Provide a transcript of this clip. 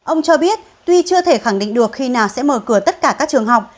ông cho biết tuy chưa thể khẳng định được khi nào sẽ mở cửa tất cả các trường học